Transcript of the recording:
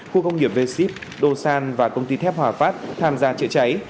khu công nghiệp v ship đô san và công ty thép hòa phát tham gia chữa cháy